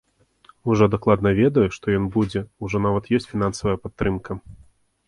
Ужо дакладна ведаю, што ён будзе, ужо нават ёсць фінансавая падтрымка.